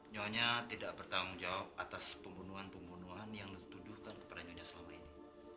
nyonya tidak bertanggung jawab atas pembunuhan pembunuhan yang dituduhkan kepada nyonya selama ini